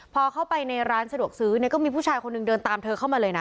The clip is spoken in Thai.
พอเข้าไปในร้านสะดวกซื้อเนี่ยก็มีผู้ชายคนหนึ่งเดินตามเธอเข้ามาเลยนะ